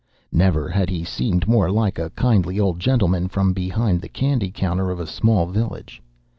Never had he seemed more like a kindly old gentleman from behind the candy counter of a small village.